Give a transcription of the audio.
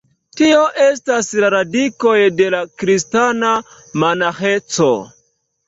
Tio estas la radikoj de la kristana monaĥeco.